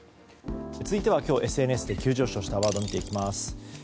続いて今日ＳＮＳで急上昇したワードを見ていきます。